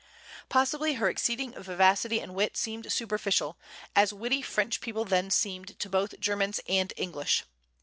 Possibly her exceeding vivacity and wit seemed superficial, as witty French people then seemed to both Germans and English.